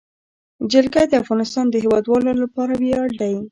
جلګه د افغانستان د هیوادوالو لپاره ویاړ دی.